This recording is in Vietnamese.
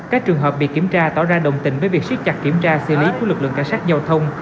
các trường hợp bị kiểm tra tỏ ra đồng tình với việc siết chặt kiểm tra xử lý của lực lượng cảnh sát giao thông